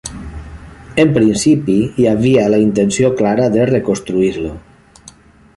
En principi hi havia la intenció clara de reconstruir-lo.